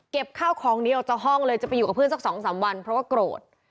ข้าวของนี้ออกจากห้องเลยจะไปอยู่กับเพื่อนสัก๒๓วันเพราะว่าโกรธ